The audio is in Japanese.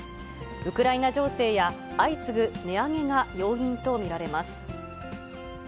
ウクライナ情勢や相次ぐ値上げが要因と見られます。